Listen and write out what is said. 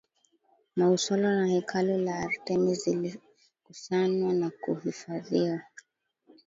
Mausolo na Hekalu la Artemis zilikusanwa na kuhifadhiwa